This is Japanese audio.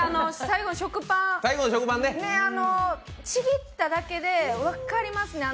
最後の食パン、ちぎっただけで分かりますね。